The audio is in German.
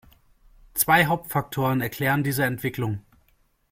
Zwei Hauptfaktoren erklären diese Entwicklung.